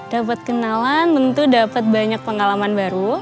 dapat kenalan tentu dapat banyak pengalaman baru